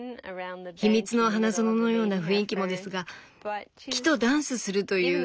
秘密の花園のような雰囲気もですが木とダンスするという